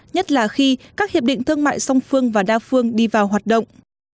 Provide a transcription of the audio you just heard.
nhất là khi các hiệp định thương mại song phương và đa phương đi vào hoạt động